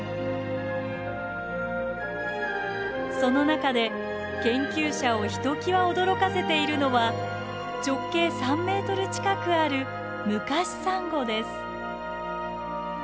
その中で研究者をひときわ驚かせているのは直径３ｍ近くあるムカシサンゴです。